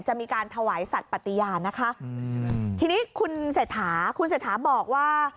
จะมีการถวายสัตว์ปฏิญาณนะคะทีนี้คุณเศรษฐาคุณเศรษฐาบอกว่า